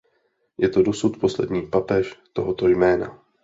Je to dosud poslední papež tohoto jména.